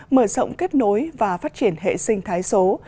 mở rộng kết nối và phát triển hệ sinh thái số